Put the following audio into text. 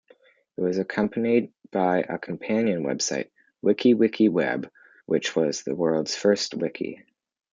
It was accompanied by a companion website, WikiWikiWeb, which was the world's first wiki.